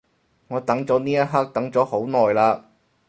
我等咗呢一刻等咗好耐嘞